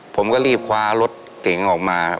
ผมก็รีบคว้ารถเก๋งออกมา